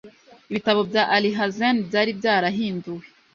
ibitabo bya Alhazen byari byarahinduwe